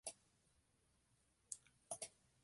Ik ha hjir ek al ien fan de radio sjoen.